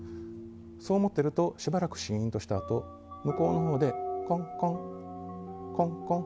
そう思っていると、しばらくしーんとしたあと向こうのほうでコンコン、コンコン。